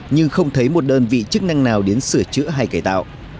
nhưng không thấy một đơn vị chức năng nào đến sửa chữa hay cải tạo